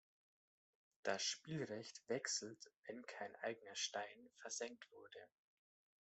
Das Spielrecht wechselt, wenn kein eigener Stein versenkt wurde.